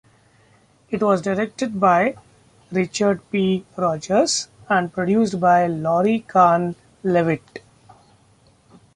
It was directed by Richard P. Rogers, and produced by Laurie Kahn-Leavitt.